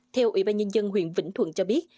theo ủy ban nhân dân huyện vĩnh thuận cho biết